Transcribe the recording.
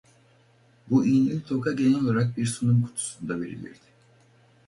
Bu iğneli toka genel olarak bir sunum kutusunda verilirdi.